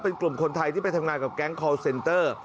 เป็นกลุ่มคนไทยที่ไปทำงานกับแก๊งคอลเซนเตอร์